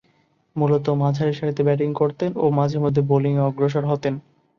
মূলতঃ মাঝারিসারিতে ব্যাটিং করতেন ও মাঝে-মধ্যে বোলিংয়ে অগ্রসর হতেন।